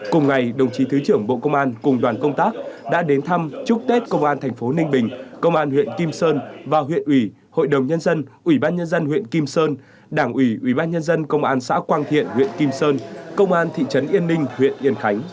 công an tỉnh ninh bình công an huyện kim sơn và huyện ủy hội đồng nhân dân ủy ban nhân dân huyện kim sơn đảng ủy ủy ban nhân dân công an xã quang thiện huyện kim sơn công an thị trấn yên ninh huyện yên khánh